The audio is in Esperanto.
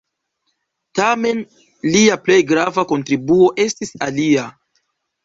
Tamen, lia plej grava kontribuo estis alia.